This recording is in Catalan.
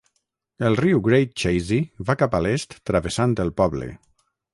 El riu Great Chazy va cap a l'est travessant el poble.